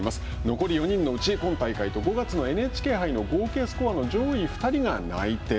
残り４人のうち、今大会と、５月のＮＨＫ杯の合計スコアの上位２人が内定。